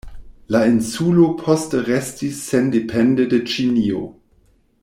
La insulo poste restis sendepende de Ĉinio.